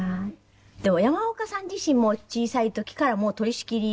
でも山岡さん自身も小さい時からもう取り仕切り。